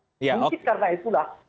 mungkin karena itulah